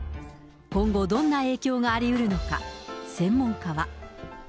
今後、どんな影響がありうるのか、専門家は。